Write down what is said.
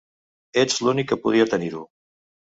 Ets l'únic que podria tenir-ho.